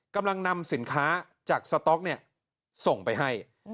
กำลังนำสินค้าจากสต๊อกส่งไปให้